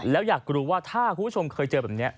แล้วอยากรู้ว่าถ้าคุณผู้ชมเคยเจอแบบนี้